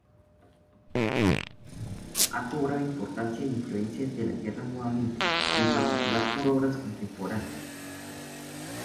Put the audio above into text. Ha cobrado importancia e influencia desde la guerra nuevamente, en particular por obras contemporáneas.